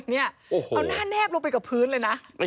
เอาหน้าแนบลงไปกับพื้นเลยนะ